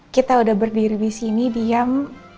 kita udah berdiri di sini diam